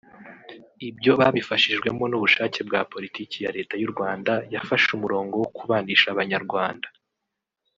Ibyo babifashijwemo n’ubushake bwa politiki ya Leta y’u Rwanda yafashe umurongo wo kubanisha Abanyarwanda